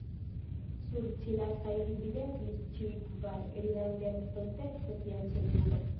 Sur ĉi lasta ili videblis ĉiuj kvar, ridante al estonteco tiam senduba.